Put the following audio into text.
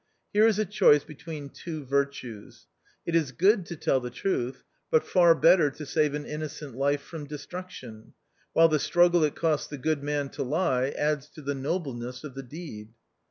Here is a choice between two virtues. It is good to tell the truth, but far better to save an innocent life from destruction, while the struggle it costs the good man to lie adds to the noble ness of the deed.